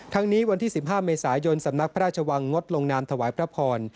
นี้วันที่๑๕เมษายนสำนักพระราชวังงดลงนามถวายพระพร